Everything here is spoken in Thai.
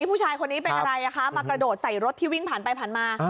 ผู้ชายคนนี้เป็นอะไรคะมากระโดดใส่รถที่วิ่งผ่านไปผ่านมา